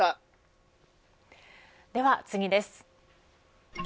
では次です。